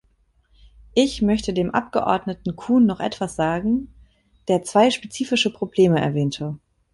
Ich möchte dem Abgeordneten Kuhn noch etwas sagen, der zwei spezifische Probleme erwähnte.